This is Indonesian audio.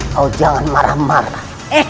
kau jangan marah marah